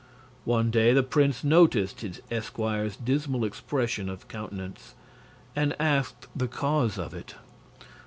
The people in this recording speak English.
One day the prince noticed his esquire's dismal expression of countenance, and asked the cause of it.